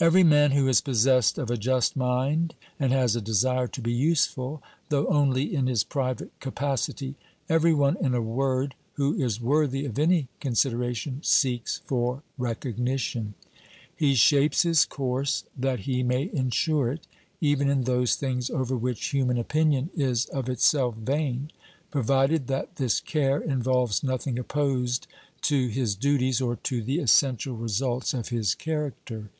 Every man who is possessed of a just mind and has a desire to be useful, though only in his private capacity ; every one, in a word, who is worthy of any considera tion, seeks for recognition. He shapes his course that he may insure it, even in those things over which human opinion is of itself vain, provided that this care involves nothing opposed to his duties or to the essential 334 OBERMANN results of his character.